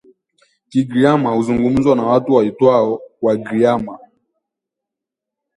Kigiryama huzungumzwa na watu waitwao Wagiryama